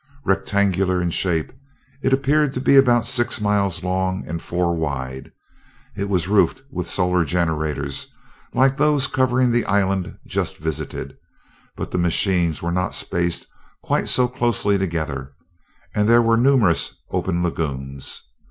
Rectangular in shape, it appeared to be about six miles long and four wide. It was roofed with solar generators like those covering the island just visited, but the machines were not spaced quite so closely together, and there were numerous open lagoons.